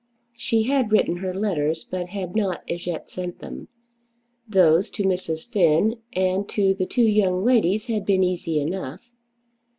She had written her letters, but had not as yet sent them. Those to Mrs. Finn and to the two young ladies had been easy enough.